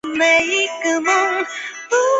卡斯蒂隆。